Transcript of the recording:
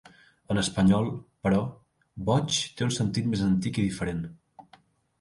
En espanyol, però, "boig" té un sentit més antic i diferent.